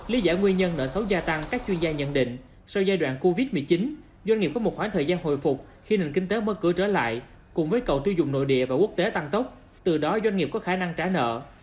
lý giải nguyên nhân nợ xấu gia tăng các chuyên gia nhận định sau giai đoạn covid một mươi chín doanh nghiệp có một khoảng thời gian hồi phục khi nền kinh tế mở cửa trở lại cùng với cậu tiêu dùng nội địa và quốc tế tăng tốc từ đó doanh nghiệp có khả năng trả nợ